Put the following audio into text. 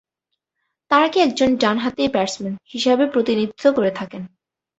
তারাকি একজন ডান-হাতি ব্যাটসম্যান হিসেবে প্রতিনিধিত্ব করে থাকেন।